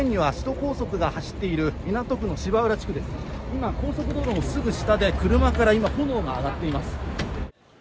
高速道路のすぐ下で車から炎が上がっています。